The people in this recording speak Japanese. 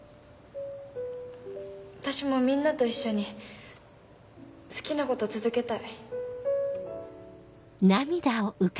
私もみんなと一緒に好きなこと続けたい。